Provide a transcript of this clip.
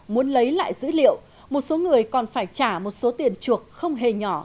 muốn lấy lại dữ liệu một số người còn phải trả một số tiền chuộc không hề nhỏ